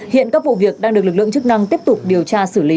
hiện các vụ việc đang được lực lượng chức năng tiếp tục điều tra xử lý